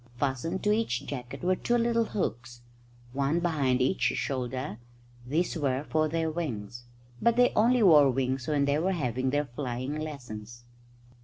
Fastened to each jacket were two little hooks, one behind each shoulder these were for their wings. But they only wore wings when they were having their flying lessons.